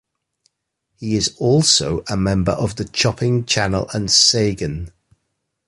He is also a member of the Chopping Channel and Sagan.